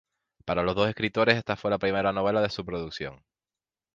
Para los dos escritores esta fue la primera novela de su producción.